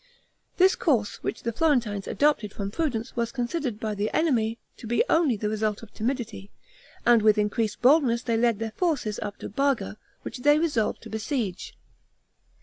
This course, which the Florentines adopted from prudence, was considered by the enemy to be only the result of timidity, and with increased boldness they led their forces up to Barga, which they resolved to besiege.